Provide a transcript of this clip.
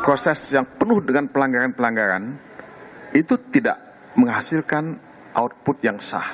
proses yang penuh dengan pelanggaran pelanggaran itu tidak menghasilkan output yang sah